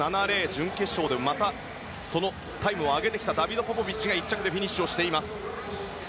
準決勝でタイムを上げてきたダビド・ポポビッチが１着でフィニッシュしています。